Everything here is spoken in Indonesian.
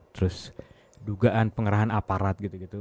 terus dugaan pengerahan aparat gitu gitu